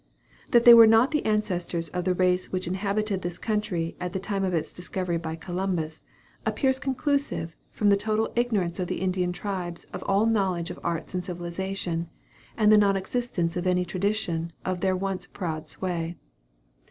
That they were not the ancestors of the race which inhabited this country at the time of its discovery by Columbus, appears conclusive from the total ignorance of the Indian tribes of all knowledge of arts and civilization, and the non existence of any tradition of their once proud sway.